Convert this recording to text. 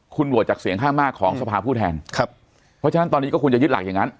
คุณโหวตจากเสียงข้างมากของสภาผู้แทนครับเพราะฉะนั้นตอนนี้ก็ควรจะยึดหลักอย่างนั้น